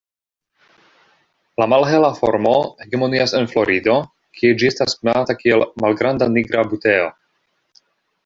La malhela formo hegemonias en Florido, kie ĝi estas konata kiel "malgranda nigra buteo".